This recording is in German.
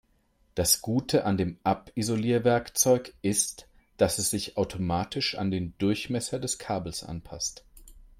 Das Gute an dem Abisolierwerkzeug ist, dass es sich automatisch an den Durchmesser des Kabels anpasst.